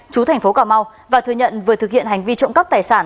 chú thành phố cà mau và thừa nhận vừa thực hiện hành vi trộm cắp tài sản